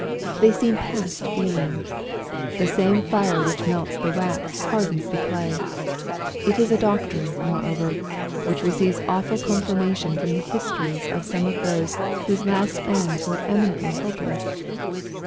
Theyseem pastfeeling. Thesame fire which melts the wax, hardens the clay — It is a doctrine, moreover, which re ceives awful confirmation from the histories of some of those whose last ends were eminently hopeless.